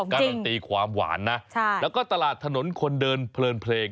การันตีความหวานนะแล้วก็ตลาดถนนคนเดินเพลินเพลง